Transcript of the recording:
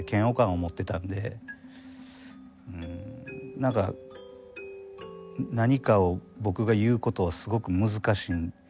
うん何か何かを僕が言うことはすごく難しいんですよね。